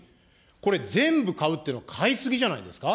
これ全部買うっていうのは買い過ぎじゃないですか。